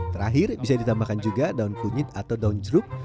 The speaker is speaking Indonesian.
terakhir bisa ditambahkan juga daun kunyit atau daun jeruk